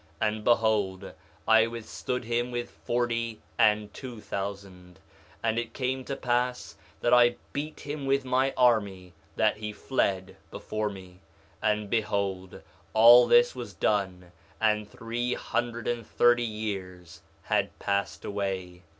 And behold, I withstood him with forty and two thousand. And it came to pass that I beat him with my army that he fled before me. And behold, all this was done, and three hundred and thirty years had passed away.